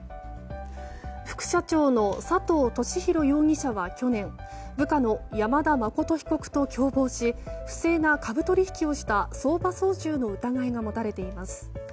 副社長の佐藤俊弘容疑者は去年部下の山田誠被告と共謀し不正な株取引をした相場操縦の疑いが持たれています。